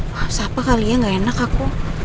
wah siapa kali ya nggak enak aku